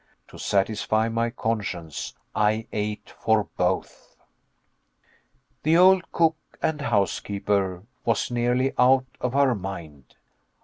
To satisfy my conscience, I ate for both. The old cook and housekeeper was nearly out of her mind.